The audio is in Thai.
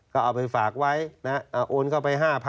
ก็เอาไปฝากไว้โอนเข้าไป๕๐๐๐